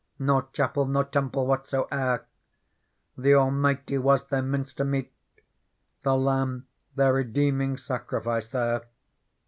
Nor chapel nor temple whatsoe'er ; The Almighty was their minster meet. The Lamb their redeeming sacrifice there.